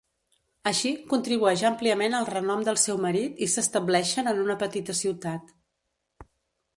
Així, contribueix àmpliament al renom del seu marit i s'estableixen en una petita ciutat.